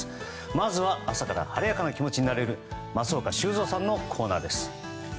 まずは朝から晴れやかな気持ちになれる松岡修造さんのコーナーです。